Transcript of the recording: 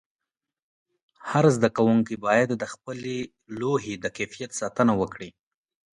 هر زده کوونکی باید د خپلې لوحې د کیفیت ساتنه وکړي.